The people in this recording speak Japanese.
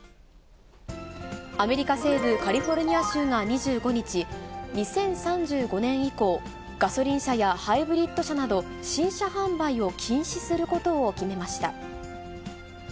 アメリカ西部カリフォルニア州が２５日、２０３５年以降、ガソリン車やハイブリッド車など、新車販売を禁止することを決めました。